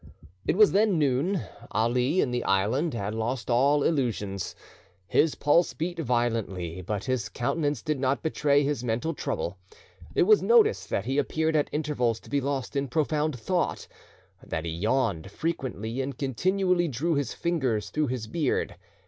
It was then noon. Ali, in the island, had lost all illusions. His pulse beat violently, but his countenance did not betray his mental trouble. It was noticed that he appeared at intervals to be lost in profound thought, that he yawned frequently, and continually drew his fingers through his beard.